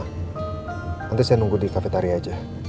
nanti saya nunggu di cafetari aja